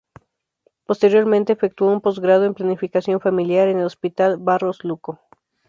Posteriormente efectuó un postgrado en "Planificación Familiar" en el Hospital Barros Luco.